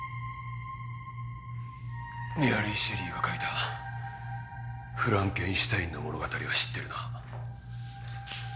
メアリー・シェリーが書いた『フランケンシュタイン』の物語は知ってるな？